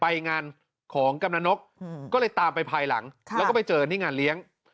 ไปงานของกำลังนกก็เลยตามไปภายหลังแล้วก็ไปเจอนี่งานเลี้ยง